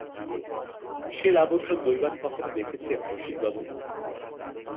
সে লাবণ্য দৈবাৎ কখনো দেখেছেন রসিকবাবু?